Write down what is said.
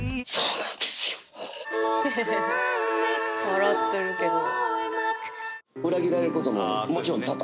笑ってるけど。